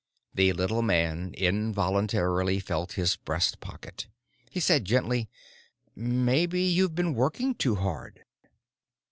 The little man involuntarily felt his breast pocket. He said gently, "Maybe you've been working too hard."